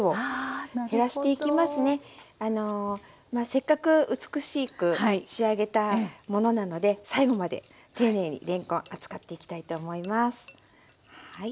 せっかく美しく仕上げたものなので最後まで丁寧にれんこん扱っていきたいと思います。